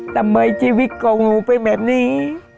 ทำไมชีวิตของหนูเป็นแบบนี้